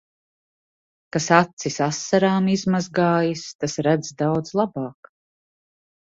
Kas acis asarām izmazgājis, tas redz daudz labāk.